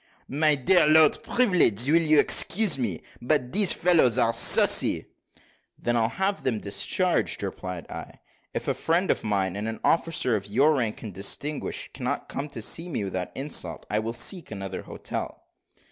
"My dear Lord Privilege, will you excuse me? but these fellows are saucy." "Then I'll have them discharged," replied I. "If a friend of mine, and an officer of your rank and distinction, cannot come to see me without insult, I will seek another hotel."